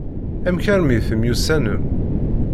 Amek armi temyussanem?